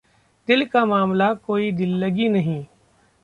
दिल का मामला कोई दिल्लगी नहीं